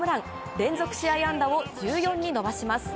連続試合安打を１４に伸ばします。